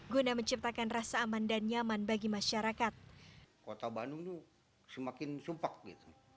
guna menciptakan rasa aman dan nyaman bagi masyarakat kota bandung itu semakin rupak gitu